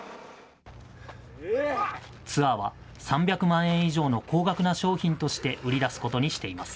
ツアーは３００万円以上の高額な商品として売り出すことにしています。